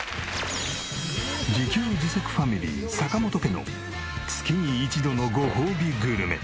自給自足ファミリー坂本家の月に一度のごほうびグルメ。